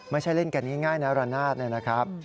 ไม่ใช่เล่นกันง่ายนะรันนาท